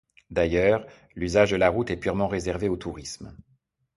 D'ailleurs, l'usage de la route est purement réservé au tourisme.